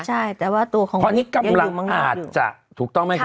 ใช่แต่ว่าตัวของเขายังอยู่มากพออันนี้กำลังอาจจะถูกต้องไหมคะ